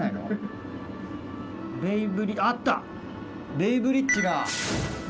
ベイブリッジだ。